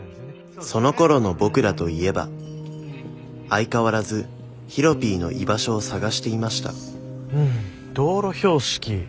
そのころの僕らといえば相変わらずヒロピーの居場所を探していました道路標識